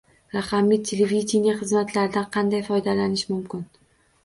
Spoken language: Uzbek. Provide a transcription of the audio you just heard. Raqamli televidenie xizmatlaridan qanday foydalanish mumkin?